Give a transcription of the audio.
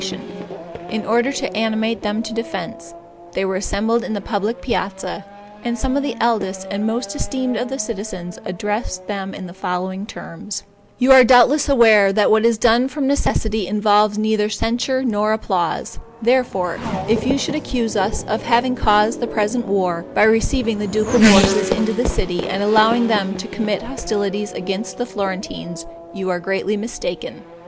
In order to animate them to defense, they were assembled in the public piazza, and some of the eldest and most esteemed of the citizens addressed them in the following terms: "You are doubtless aware that what is done from necessity involves neither censure nor applause; therefore, if you should accuse us of having caused the present war, by receiving the ducal forces into the city, and allowing them to commit hostilities against the Florentines, you are greatly mistaken.